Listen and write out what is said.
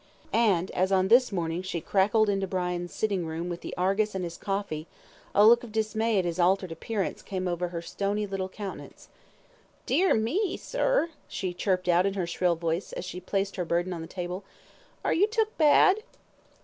And, as on this morning she crackled into Brian's sitting room with the ARGUS and his coffee, a look of dismay at his altered appearance, came over her stony little countenance. "Dear me, sir," she chirped out in her shrill voice, as she placed her burden on the table, "are you took bad?"